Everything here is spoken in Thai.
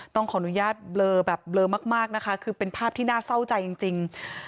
ต้องขออนุญาตเบลอแบบเบลอมากนะคะคือเป็นภาพที่น่าเศร้าใจจริง